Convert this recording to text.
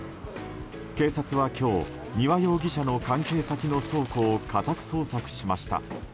警察は今日丹羽容疑者の関係先の倉庫を家宅捜索しました。